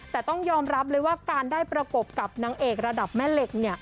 แต่ต้องยอมรับเลยว่าการได้ประกบกับนางเอกระดับแม่เหล็ก